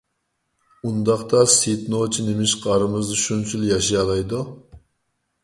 ئۇنداقتا سېيىت نوچى نېمىشقا ئارىمىزدا شۇنچە يىل ياشىيالايدۇ؟